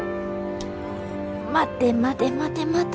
待て待て待て待て。